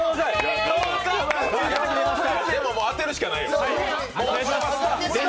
でも、もう当てるしかないよ。